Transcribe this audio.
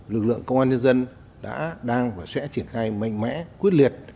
lực lượng công an nhân dân đã đang và sẽ triển khai mạnh mẽ quyết liệt